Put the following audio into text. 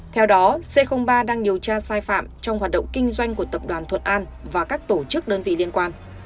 theo đó c ba đang điều tra sai phạm trong hoạt động kinh doanh của tập đoàn thuận an và các tổ chức đơn vị liên quan